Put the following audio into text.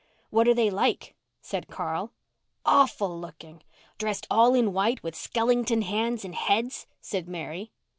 "What are they like?" said Carl. "Awful looking. Dressed all in white with skellington hands and heads," said Mary.